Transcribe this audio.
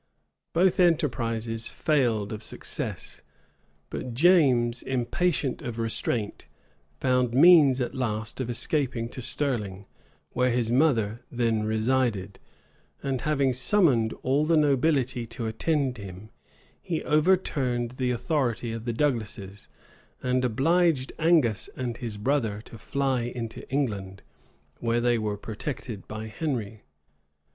Both enterprises failed of success: but James, impatient of restraint, found means at last of escape *ing to Stirling, where his mother then resided; and having summoned all the nobility to attend him, he overturned the authority of the Douglases, and obliged Angus and his brother to fly into England, where they were protected by Henry.